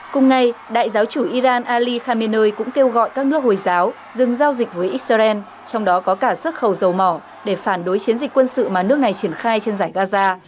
cùng ngày đại giáo chủ iran ali khamenei cũng kêu gọi các nước hồi giáo dừng giao dịch với israel trong đó có cả xuất khẩu dầu mỏ để phản đối chiến dịch quân sự mà nước này triển khai trên giải gaza